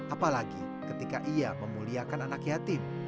apalagi ketika ia memuliakan anak yatim